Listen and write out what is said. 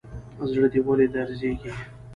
زړه دي ولي درزيږي.